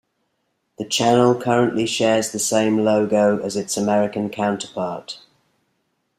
The channel currently shares the same logo as its American counterpart.